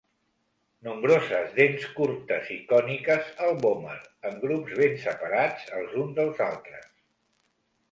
Nombroses dents curtes i còniques al vòmer en grups ben separats els uns dels altres.